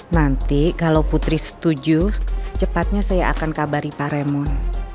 nanti kalau putri setuju secepatnya saya akan kabari paremon